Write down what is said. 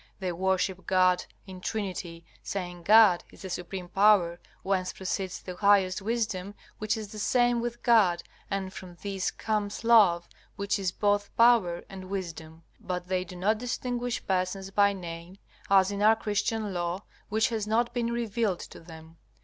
They worship God in trinity, saying God is the Supreme Power, whence proceeds the highest Wisdom, which is the same with God, and from these comes Love, which is both power and wisdom; but they do not distinguish persons by name, as in our Christian law, which has not been revealed to them.